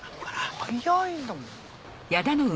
早いんだもん。